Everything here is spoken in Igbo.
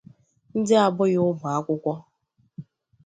ndị abụghị ụmụakwụkwọ